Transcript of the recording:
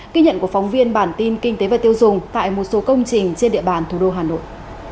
ghi nhận của phóng viên bản tin kinh tế và tiêu dùng tại một số công trình trên địa bàn thủ đô hà nội